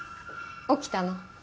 起きたの？